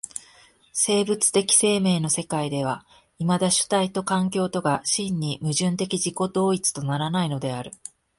生物的生命の世界ではいまだ主体と環境とが真に矛盾的自己同一とならないのである。